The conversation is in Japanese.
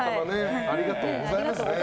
ありがとうございます。